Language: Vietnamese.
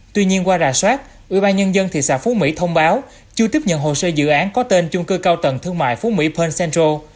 tuy nhiên qua rà soát ủy ban nhân dân thị xã phú mỹ thông báo chưa tiếp nhận hồ sơ dự án có tên chung cư cao tầng thương mại phú mỹ pearl central